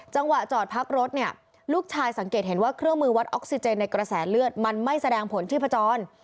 จังหวะจอดพักรถเนี่ยลูกชายสังเกตเห็นว่าเครื่องมือวัดออกซิเจนในกระแสเลือดมันไม่แสดงผลชีพจร